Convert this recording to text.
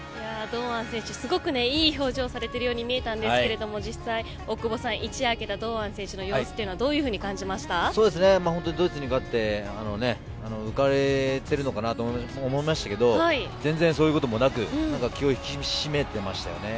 堂安選手、すごくいい表情されているように見えたんですけれども実際大久保さん１夜明けた堂安選手の様子というのは本当にドイツに勝って浮かれてるのかなと思いましたけど全然そういうこともなくただ気を引き締めてましたね。